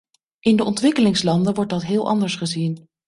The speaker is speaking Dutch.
In de ontwikkelingslanden wordt dat heel anders gezien.